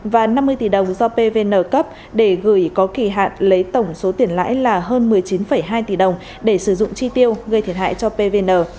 và năm mươi tỷ đồng do pvn cấp để gửi có kỳ hạn lấy tổng số tiền lãi là hơn một mươi chín hai tỷ đồng để sử dụng chi tiêu gây thiệt hại cho pvn